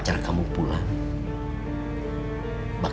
toh ada seseorang sait